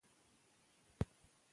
مور د ماشوم د خوراک توازن ساتي.